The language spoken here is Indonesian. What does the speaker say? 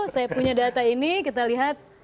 saya punya data ini kita lihat